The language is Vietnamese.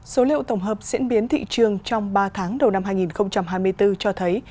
số liệu tổng hợp diễn biến thị trường trong ba tháng đầu năm hai nghìn hai mươi bốn cho thấy